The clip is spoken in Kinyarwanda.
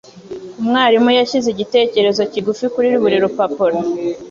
Umwarimu yashyize igitekerezo kigufi kuri buri rupapuro.